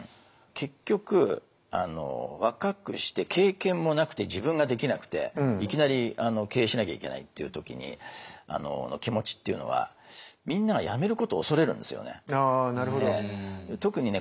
結局若くして経験もなくて自分ができなくていきなり経営しなきゃいけないっていう時の気持ちっていうのはって私は想像してます。